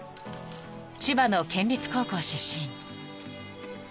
［千葉の県立高校出身］